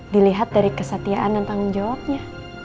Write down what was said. dilihat dari kesetiaan dan tanggung jawabnya